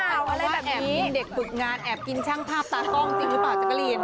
เพราะว่าแอบกินเด็กฝึกงานแอบกินช่างภาพตากล้องจริงหรือเปล่าแจ๊กกะลีน